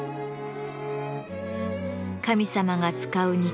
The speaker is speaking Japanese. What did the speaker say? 神様が使う日